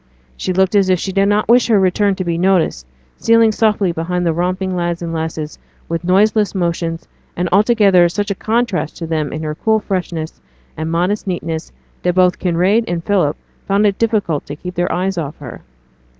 She looked as if she did not wish her return to be noticed, stealing softly behind the romping lads and lasses with noiseless motions, and altogether such a contrast to them in her cool freshness and modest neatness, that both Kinraid and Philip found it difficult to keep their eyes off her.